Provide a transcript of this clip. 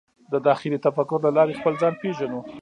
د داخلي تفکر له لارې خپل ځان پېژنو.